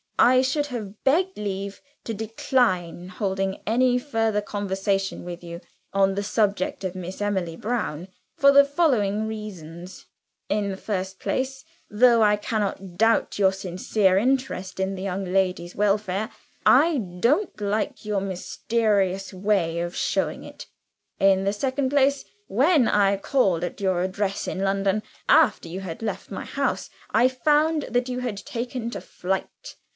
I should have begged leave to decline holding any further conversation with you, on the subject of Miss Emily Brown, for the following reasons: "In the first place, though I cannot doubt your sincere interest in the young lady's welfare, I don't like your mysterious way of showing it. In the second place, when I called at your address in London, after you had left my house, I found that you had taken to flight.